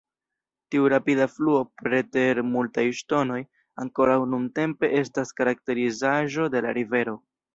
Tiu rapida fluo preter multaj ŝtonoj ankoraŭ nuntempe estas karakterizaĵo de la rivero.